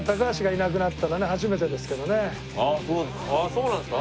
そうなんですか？